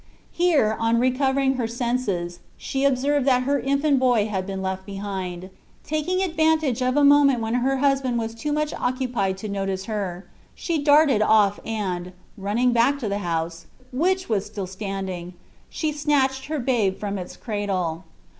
Here, on recovering her senses, she observed that her infant boy had been left behind. Taking advantage of a moment when her husband was too much occupied to notice her, she darted off and, running back to the house, which was still standing, she snatched her babe from its cradle.